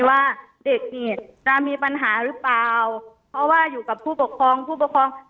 ว่าเด็กเนี่ยจะมีปัญหาหรือเปล่าเพราะว่าอยู่กับผู้ปกครองผู้ปกครอง